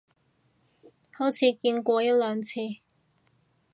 好似見過一兩次